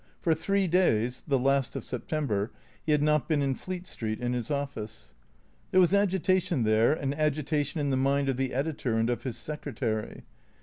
For three days (the last of September) he had not been in Fleet Street, in his office. There was agitation there, and agitation in the mind of the editor and of his secretary.